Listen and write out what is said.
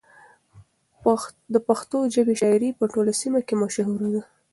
د پښتو ژبې شاعري په ټوله سیمه کې مشهوره ده.